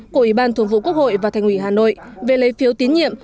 của ủy ban thường vụ quốc hội và thành ủy hà nội về lấy phiếu tín nhiệm